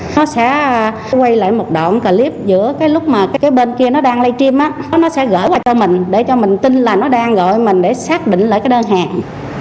nó sẽ quay lại một đoạn clip giữa cái lúc mà cái bên kia nó đang live stream nó sẽ gửi qua cho mình để cho mình tin là nó đang gọi mình để xác định lại cái đơn hàng